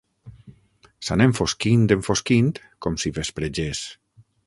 S'anà enfosquint, enfosquint, com si vespregés.